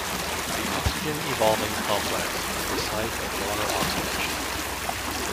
The oxygen-evolving complex is the site of water oxidation.